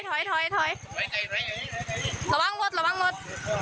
ถอยระวังรถ